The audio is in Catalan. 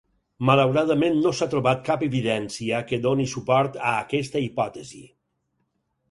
Malauradament no s'ha trobat cap evidència que doni suport a aquesta hipòtesi.